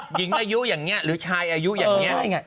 หญิงอายุอย่างนี้หรือชายอายุอย่างนี้